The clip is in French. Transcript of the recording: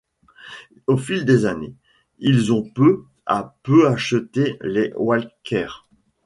Au fil des années ils ont peu à peu acheté les Walkers.